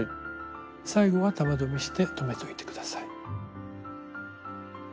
最後は玉留めして留めといて下さい。